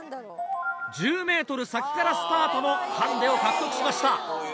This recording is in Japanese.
１０ｍ先からスタートのハンデを獲得しました。